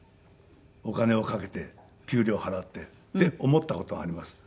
お金をかけて給料払ってって思った事はあります。